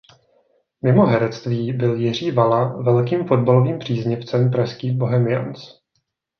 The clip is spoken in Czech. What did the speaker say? Mimo herectví byl Jiří Vala velkým fotbalovým příznivcem pražských Bohemians.